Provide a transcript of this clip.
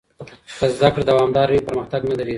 که زده کړه دوامداره وي، پرمختګ نه درېږي.